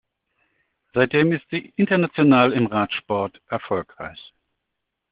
Seitdem ist sie international im Radsport erfolgreich.